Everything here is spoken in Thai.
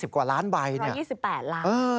๑๒๐กว่าร้านใบ